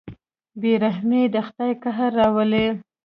بېرحمي د خدای قهر راولي.